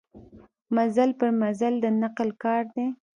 مزل پر مزل د نقل کار دی.